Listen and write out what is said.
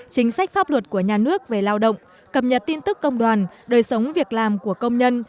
chính sách pháp luật của nhà nước về lao động cập nhật tin tức công đoàn đời sống việc làm của công nhân